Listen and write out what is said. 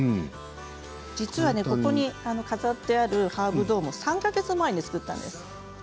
実は、ここに飾ってあるハーブドーム３か月前に作ったものです。